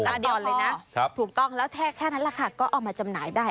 ถูกต้องแล้วแค่นั้นล่ะค่ะก็เอามาจำหน่ายได้